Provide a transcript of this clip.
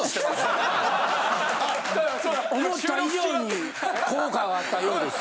思った以上に効果があったようです。